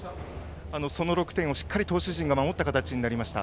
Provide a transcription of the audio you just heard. その６点をしっかり投手陣が守った形になりました。